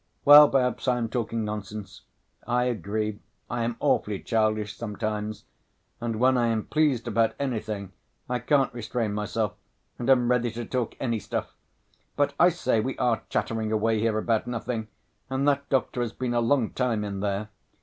"Well, perhaps I am talking nonsense, I agree. I am awfully childish sometimes, and when I am pleased about anything I can't restrain myself and am ready to talk any stuff. But, I say, we are chattering away here about nothing, and that doctor has been a long time in there.